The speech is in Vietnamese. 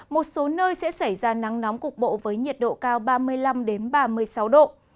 một số nơi sẽ xảy ra nắng nóng cục bộ với nhiệt độ cao ba mươi năm ba mươi sáu độ